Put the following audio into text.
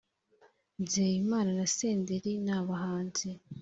nzeyimana na senderi n’abahanzi